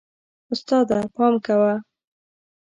استاده، پام کوه.